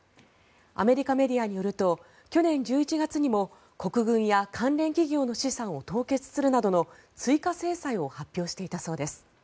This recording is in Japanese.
アメリカメディアによると去年１１月にも国軍や関連企業の資産を凍結するなどの追加制裁を発表していたそうです。